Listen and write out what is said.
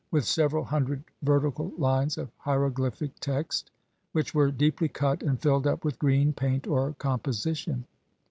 with several hundred vertical lines of hieroglyphic text which were deeply cut and filled up with green paint or composition.